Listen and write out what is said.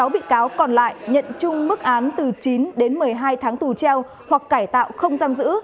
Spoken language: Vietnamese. sáu bị cáo còn lại nhận chung mức án từ chín đến một mươi hai tháng tù treo hoặc cải tạo không giam giữ